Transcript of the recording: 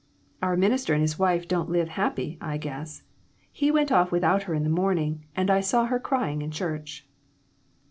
" Our minister and his wife don't live happy, I guess. He went off without her in the morning, and I saw her crying in church."